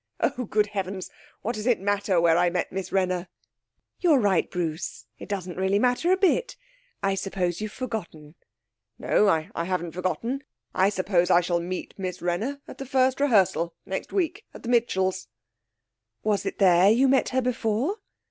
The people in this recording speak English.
'Oh! Good heavens! What does it matter where I met Miss Wrenner?' 'You're right, Bruce; it doesn't really matter a bit. I suppose you've forgotten.' 'No; I haven't forgotten. I suppose I shall meet Miss Wrenner at the first rehearsal next week at the Mitchells.' 'Was it there you met her before?'